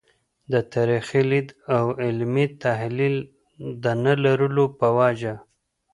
د تاریخي لید او علمي تحلیل د نه لرلو په وجه.